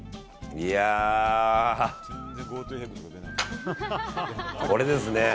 いやー、これですね。